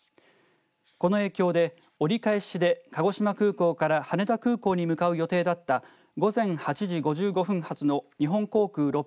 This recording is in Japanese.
この影響で折り返しで鹿児島空港から羽田空港に向かう予定だった午前８時５５分発の日本航空６４２